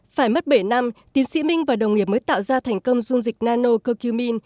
phải mất bảy năm tiến sĩ minh và đồng nghiệp mới tạo ra thành công dung dịch nano cocumin